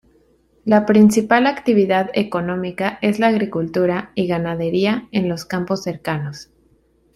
La principal actividad económica es la agricultura y ganadería en los campos cercanos.